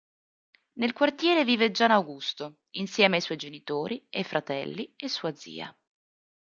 Nel quartiere vive Gian Augusto, insieme ai suoi genitori e fratelli e sua zia.